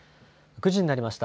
９時になりました。